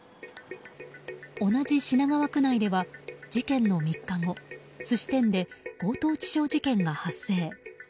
同じ品川区内では事件の３日後寿司店で強盗致傷事件が発生。